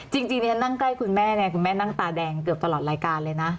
จริงดิฉันนั่งใกล้คุณแม่ไงคุณแม่นั่งตาแดงเกือบตลอดรายการเลยนะ